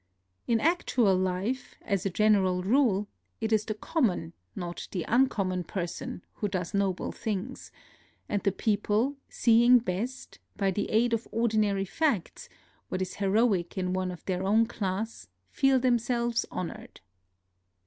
In actual life, as a general rule, it is the common, not the uncommon person who does noble things ; and the people, seeing best, by the aid of ordinary facts, what is heroic in one of their own class, feel them selves honored.